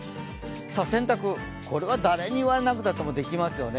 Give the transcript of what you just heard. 洗濯、これは誰に言われなくてもできますよね。